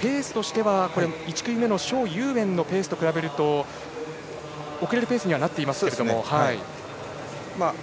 ペースとしては１組目の蒋裕燕のペースと比べると遅れるペースにはなっていますが。